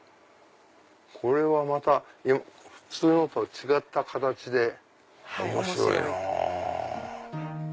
これはまた普通のとは違った形で面白いなぁ。